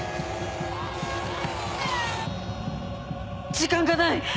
時間がない！